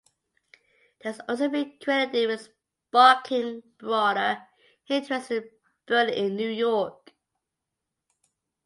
It has also been credited with sparking broader interest in birding in New York.